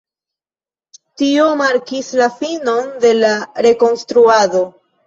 Tio markis la finon de la Rekonstruado.